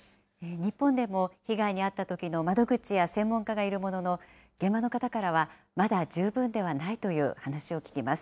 日本でも被害に遭ったときの窓口や専門家がいるものの、現場の方からは、まだ十分ではないという話を聞きます。